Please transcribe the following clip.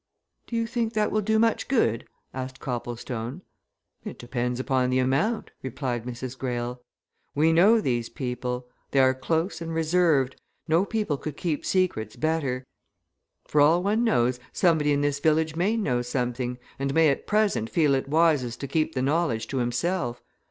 "Do you think that will do much good?" asked Copplestone. "It depends upon the amount," replied Mrs. Greyle. "We know these people. They are close and reserved no people could keep secrets better. For all one knows, somebody in this village may know something, and may at present feel it wisest to keep the knowledge to himself.